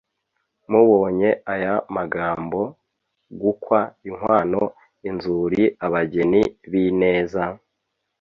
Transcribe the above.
Mubonye aya magambo: gukwa, inkwano, inzuri, abageni b’ineza,